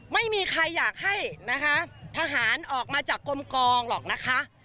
ไม่มีใครอยากให้นะคะทหารออกมาจากกลมกองหรอกนะคะ